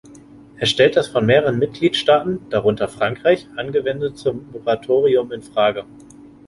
Er stellt das von mehreren Mitgliedstaaten, darunter Frankreich, angewendete Moratorium in Frage.